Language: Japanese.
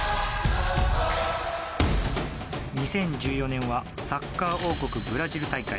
２０１４年はサッカー王国ブラジル大会。